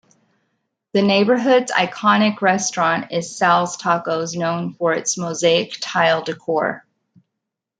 The neighborhood's iconic restaurant is Sal's Tacos, known for its mosaic tile decor.